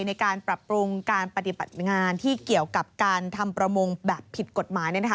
ในการปรับปรุงการปฏิบัติงานที่เกี่ยวกับการทำประมงแบบผิดกฎหมาย